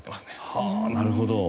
はあなるほど。